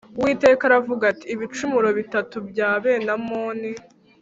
Uwiteka aravuga ati “Ibicumuro bitatu bya bene Amoni